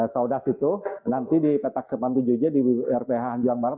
saudara situ nanti di petak tujuh belas j di rph anjuan barat